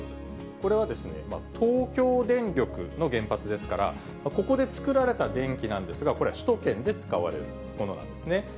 これは、東京電力の原発ですから、ここで作られた電気なんですが、これは首都圏で使われるものなんですね。